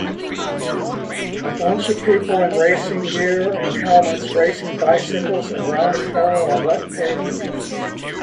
A bunch of people in racing gear and helmets racing bicycles around a corner on wet pavement